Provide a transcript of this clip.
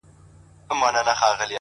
• غواړم د پېړۍ لپاره مست جام د نشیې ؛